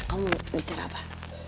kamu bicara apa